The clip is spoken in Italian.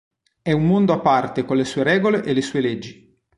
È un mondo a parte con le sue regole e le sue leggi.